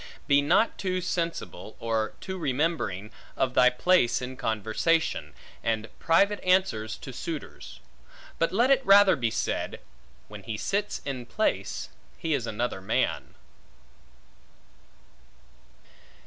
Be not too sensible, or too remembering, of thy place in conversation, and private answers to suitors; but let it rather be said, When he sits in place, he is another man.